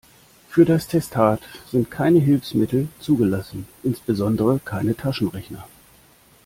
Für das Testat sind keine Hilfsmittel zugelassen, insbesondere keine Taschenrechner.